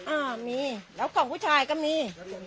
อ่ามีแล้วของผู้ชายก็มี